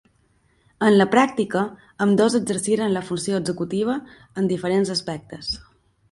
En la pràctica, ambdós exerciren la funció executiva en diferents aspectes.